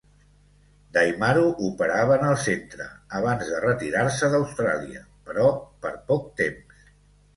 Daimaru operava en el centre abans de retirar-se d'Austràlia, però per poc temps.